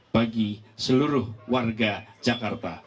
bagi seluruh warga jakarta